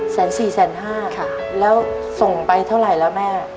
แสนสี่แสนห้าค่ะแล้วส่งไปเท่าไหร่แล้วแม่